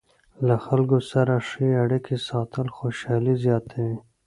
له خلکو سره ښې اړیکې ساتل خوشحالي زیاتوي.